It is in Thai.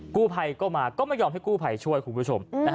กู้ภัยก็มาก็ไม่ยอมให้กู้ภัยช่วยคุณผู้ชม